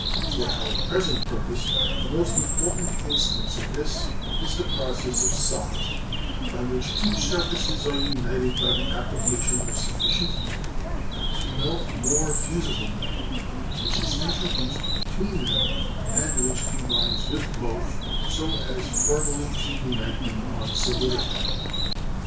For our present purpose the most important instance of this is the process of soldering, by which two surfaces are united by the application of sufficient heat to melt more fusible metal which is introduced between them, and which combines with both so as firmly to unite them on solidifying.